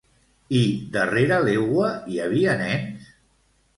I darrera l'egua hi havia nens?